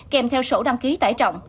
kèm theo sổ đăng ký tải trọng